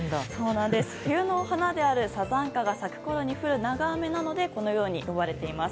冬の花であるサザンカが咲くころに降る長雨なのでこのように呼ばれています。